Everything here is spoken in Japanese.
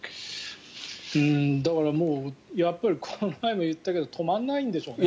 だからもうこの前も言ったけど止まらないんでしょうね。